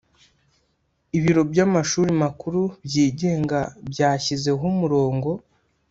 ibiro by’amashuri makuru byigenga byashyizeho umurongo